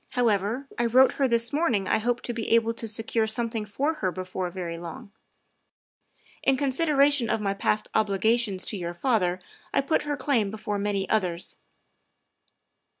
However, I wrote her this morning I hoped to be able to secure something for her before very long. In con sideration of my past obligations to your father I put her claim before many others."